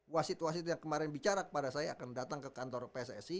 wasit wasit yang kemarin bicara kepada saya akan datang ke kantor pssi